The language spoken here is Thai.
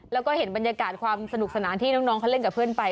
แล้วก็เห็นบรรยากาศความสนุกสนานที่น้องเขาเล่นกับเพื่อนไป